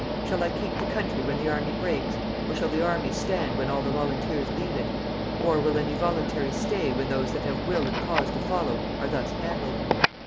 Shall I keep the country when the army breaks? Or shall the army stand when all the volunteers leave it? Or will any voluntaries stay when those that have will and cause to follow are thus handled?